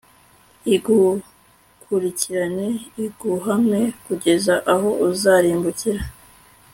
igukurikirane iguhame kugeza aho uzarimbukira